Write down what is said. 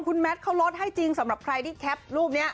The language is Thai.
คุณแมทเขาลดให้จริงสำหรับใครที่แคปรูปนี้